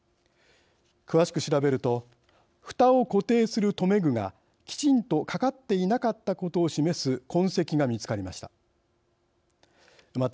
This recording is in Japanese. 詳しく調べるとふたを固定する留め具がきちんとかかっていなかったことを示す痕跡が見つかりました。